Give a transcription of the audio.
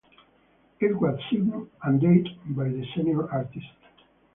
It was signed and dated by the senior artist.